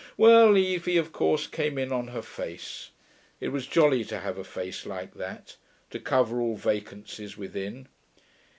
Well, Evie, of course, came in on her face. It was jolly to have a face like that, to cover all vacancies within.